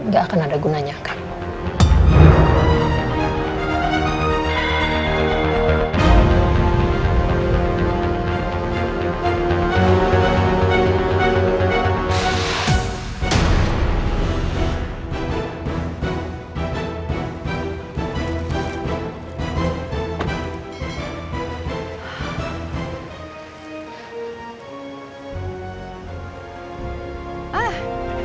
gak akan ada gunanya kak